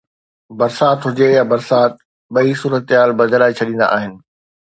برسات هجي يا برسات، ٻئي صورتحال بدلائي ڇڏيندا آهن